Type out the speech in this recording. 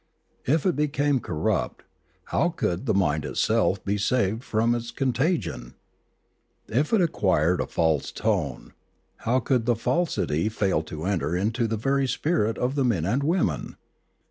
If it became corrupt, how could the mind itself be saved from its contagion ? If it acquired a false tone, how could the falsity fail to enter into the very spirit of the men and women